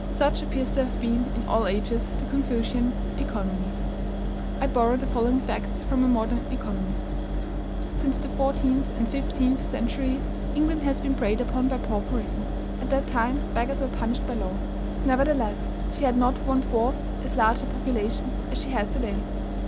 Such appears to have been, in all ages, the Confucian economy. I borrow the following facts from a modern economist: "Since the fourteenth and fifteenth centuries, England has been preyed upon by pauperism. At that time beggars were punished by law." Nevertheless, she had not one fourth as large a population as she has to day.